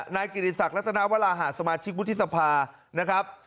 นายกิติศักดิรัตนาวราหะสมาชิกวุฒิสภานะครับ